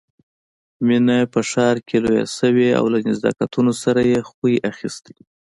مينه په ښار کې لويه شوې او له نزاکتونو سره يې خوی اخيستی